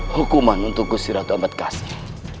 hukuman untuk kusiratu ambat kasih